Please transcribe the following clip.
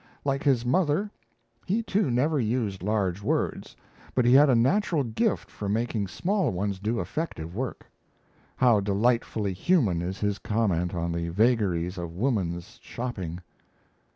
Like his mother, he too never used large words, but he had a natural gift for making small ones do effective work. How delightfully human is his comment on the vagaries of woman's shopping!